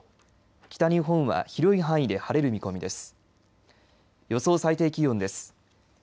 北日本は広い範囲で晴れる見込みです。